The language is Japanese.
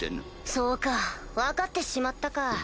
そうか分かってしまったか。